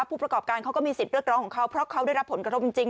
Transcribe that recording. ผู้ประกอบการเขาก็มีสิทธิ์เรียกร้องของเขาเพราะเขาได้รับผลกระทบจริง